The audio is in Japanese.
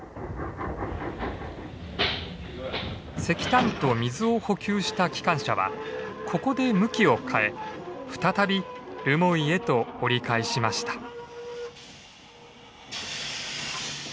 石炭と水を補給した機関車はここで向きを変え再び留萌へと折り返しました。